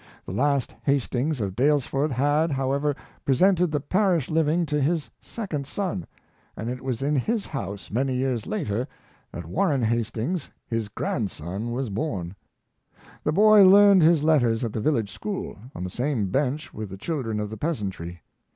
The last Hastings of Daylesford had, however, presented the parish living to his second son; and it was in his house, many years later, that Warren Hastings, his grandson, was born. The boy learned his letters at the village school, on the same bench with the children of the peasantry.